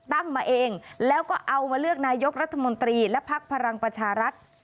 ตั้งมาเองแล้วก็เอามาเลือกนายกรัฐมนตรีและพักพลังประชารัฐ